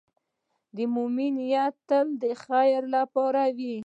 د مؤمن نیت تل د خیر لپاره وي.